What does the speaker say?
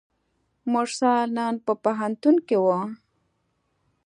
مرسل نن په پوهنتون کې وه.